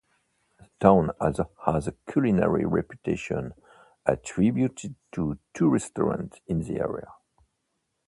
The town also has a culinary reputation attributed to two restaurants in the area.